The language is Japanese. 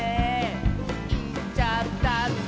「いっちゃったんだ」